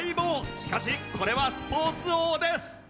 しかしこれは『スポーツ王』です。